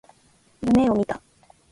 夢を見た。